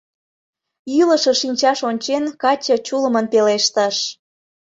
Йӱлышӧ шинчаш ончен, Каче чулымын пелештыш.